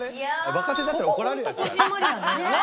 「若手だったら怒られるやつだよあれ」